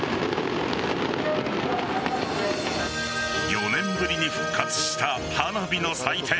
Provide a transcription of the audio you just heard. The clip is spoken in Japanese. ４年ぶりに復活した花火の祭典。